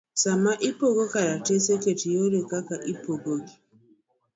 Sama ipogo kalatese, ket yore kaka ibopoggi.